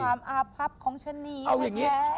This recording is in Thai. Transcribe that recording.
มันเป็นความอาภัพของชะนีแม่แก